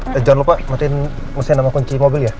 jangan lupa matiin mesin sama kunci mobil ya